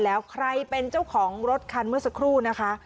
แล้วใครเป็นเจ้าของรถคันเมื่อสักครู่นะคะ